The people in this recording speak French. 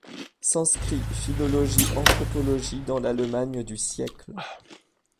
Sanskrit, philologie, anthropologie dans l'Allemagne du siècle.